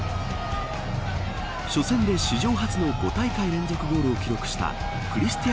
初戦で史上初の５大会連続ゴールを記録したクリスティ